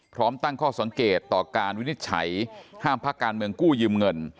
พร้อมตั้งข้อสังเกตต่อการวินิจฉัยห้ามพักการเมืองกู้ยืมเงิน